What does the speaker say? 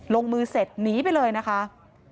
ลงมือเสร็จหนีไปเลยนะคะ